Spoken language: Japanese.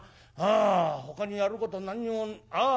あほかにやること何にもああ